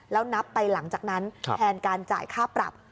แล้วนับไปหลังจากนั้นแทนการจ่ายค่าปรับ